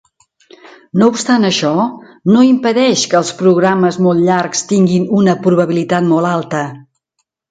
No obstant això, no impedeix que els programes molt llargs tinguin una probabilitat molt alta.